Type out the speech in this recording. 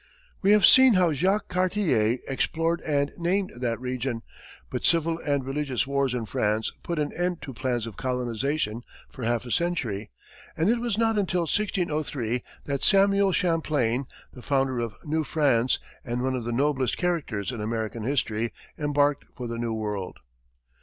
We have seen how Jacques Cartier explored and named that region, but civil and religious wars in France put an end to plans of colonization for half a century, and it was not until 1603 that Samuel Champlain, the founder of New France, and one of the noblest characters in American history, embarked for the New World.